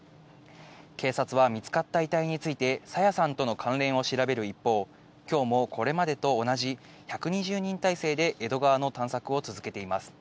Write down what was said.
警察は見つかった遺体について朝芽さんとの関連を調べる一方、今日もこれまでと同じ１２０人態勢で江戸川の探索を続けています。